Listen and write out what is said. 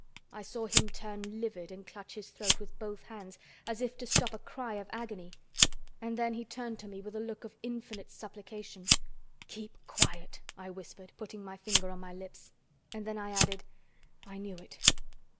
I saw him turn livid and clutch his throat with both hands, as if to stop a cry of agony, and then he turned to me with a look of infinite supplication. "Keep quiet!" I whispered, putting my finger on my lips, and then I added: "I knew it."